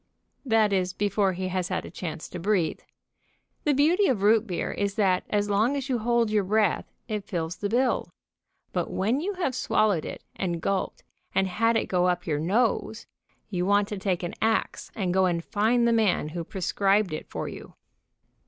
That is before he has had a chance to breathe. The beauty of root beer is that as long as you hold your breath it fills the bill, but when you have swallowed it and gulped, and had it go up your nose, you want to take an axe and go and find the man who prescribed it for you.